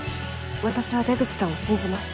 私は出口さんを信じます。